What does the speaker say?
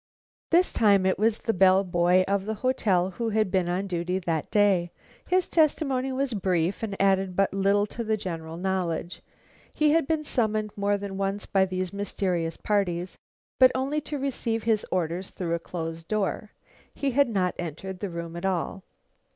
This time it was the bell boy of the hotel who had been on duty that day. His testimony was brief, and added but little to the general knowledge. He had been summoned more than once by these mysterious parties, but only to receive his orders through a closed door. He had not entered the room at all.